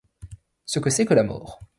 Ce que c’est que la mort